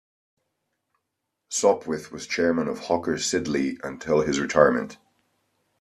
Sopwith was Chairman of Hawker Siddeley until his retirement.